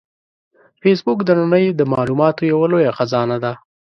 فېسبوک د نړۍ د معلوماتو یوه لویه خزانه ده